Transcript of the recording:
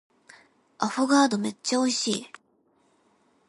アフォガードめっちゃ美味しい